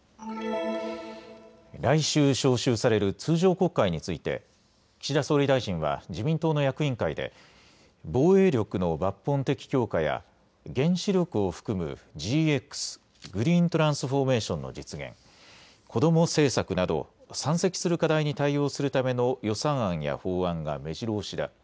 来週召集される通常国会について岸田総理大臣は自民党の役員会で防衛力の抜本的強化や原子力を含むＧＸ・グリーントランスフォーメーションの実現、こども政策など山積する課題に対応するための予算案や法案がめじろ押しだ。